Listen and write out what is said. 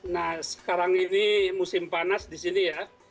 nah sekarang ini musim panas di sini ya